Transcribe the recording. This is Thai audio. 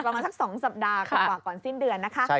ประมาณสัก๒สัปดาห์กว่าก่อนสิ้นเดือนนะคะ